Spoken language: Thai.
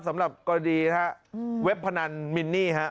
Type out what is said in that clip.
สำหรับกรดีเว็บพนันมินนี่ครับ